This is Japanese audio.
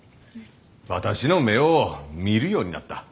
私の目を見るようになった。